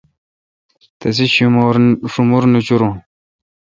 تسے°شمور نچُورِن